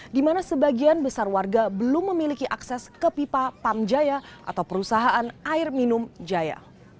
di mana sebagian besar warga belum memiliki akses ke pipa pamjaya atau perusahaan air minum jaya